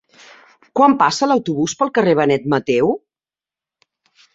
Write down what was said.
Quan passa l'autobús pel carrer Benet Mateu?